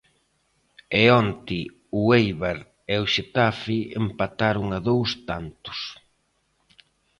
E onte o Éibar e o Xetafe empataron a dous tantos.